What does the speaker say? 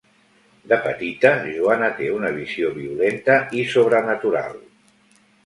De petita, Joan té una visió violenta i sobrenatural.